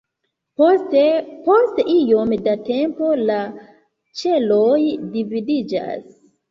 Poste, post iom da tempo, la ĉeloj dividiĝas.